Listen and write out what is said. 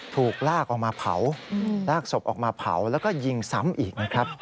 ถูกลากออกมาเผาลากศพออกมาเผาแล้วก็ยิงซ้ำอีกนะครับ